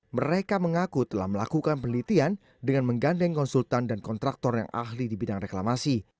mereka mengaku telah melakukan penelitian dengan menggandeng konsultan dan kontraktor yang ahli di bidang reklamasi